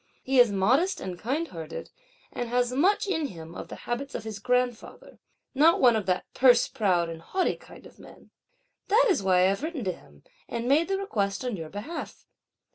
He is modest and kindhearted, and has much in him of the habits of his grandfather; not one of that purse proud and haughty kind of men. That is why I have written to him and made the request on your behalf.